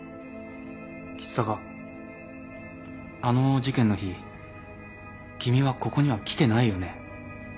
あの事件の日君はここには来てないよね？